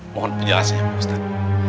mohon penjelasan ya pak ustaz